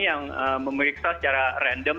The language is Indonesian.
yang memeriksa secara random